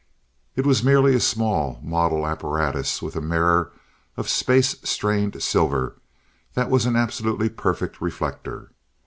It was merely a small, model apparatus, with a mirror of space strained silver that was an absolutely perfect reflector.